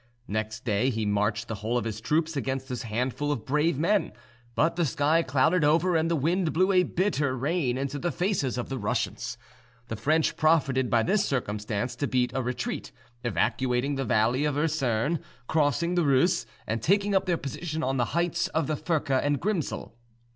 Next day he marched the whole of his troops against this handful of brave men, but the sky clouded over and the wind blew a bitter rain into the faces of the Russians; the French profited by this circumstance to beat a retreat, evacuating the valley of Ursern, crossing the Reuss, and taking up their position on the heights of the Furka and Grimsel.